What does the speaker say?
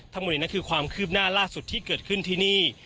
ทั้งหมดนี้คือความคืบหน้าล่าสุดที่เกิดขึ้นที่นี่